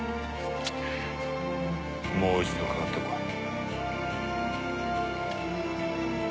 もう一度かかって来い。